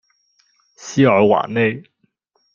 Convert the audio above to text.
西尔瓦内。